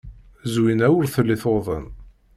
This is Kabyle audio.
Zwina ur telli tuḍen.